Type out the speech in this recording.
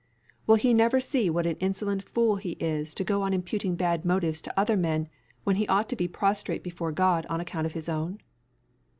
Will he never see what an insolent fool he is to go on imputing bad motives to other men, when he ought to be prostrate before God on account of his own?